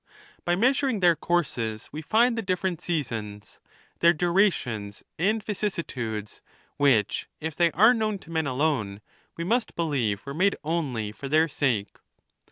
By measuring their courses we find the different seasons, their durations and vicissitudes, which, if they are known to men alone, we must believe were made only for their sake.